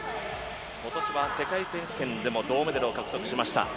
今年は世界選手権でも銅メダルを獲得しました。